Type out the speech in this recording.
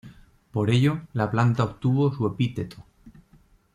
Por ello, la planta obtuvo su epíteto.